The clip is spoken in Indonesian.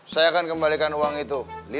saya akan kembalikan uang itu